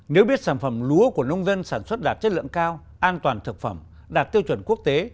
nếu biết sản phẩm lúa của nông dân sản xuất đạt chất lượng cao an toàn thực phẩm đạt tiêu chuẩn quốc tế